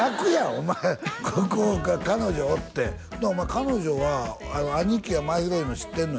お前ここが彼女おって彼女は兄貴が真宙いうの知ってんの？